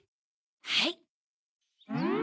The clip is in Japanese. はい。